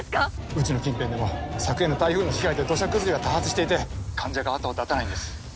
うちの近辺でも昨夜の台風の被害で土砂崩れが多発していて患者が後を絶たないんです。